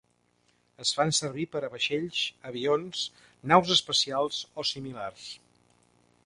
Es fa servir per a vaixells, avions, naus espacials o similars.